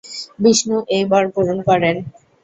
বিষ্ণু এই বর পূরণ করেন।